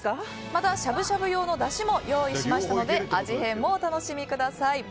また、しゃぶしゃぶ用のだしも用意しましたので味変もお楽しみください。